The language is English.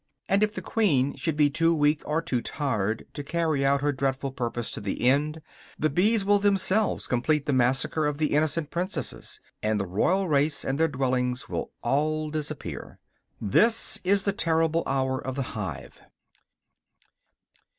And if the queen should be too weak or too tired to carry out her dreadful purpose to the end, the bees will themselves complete this massacre of the innocent princesses, and the royal race, and their dwellings, will all disappear. This is the terrible hour of the hive.